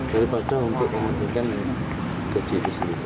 daripada untuk memastikan gaji itu sendiri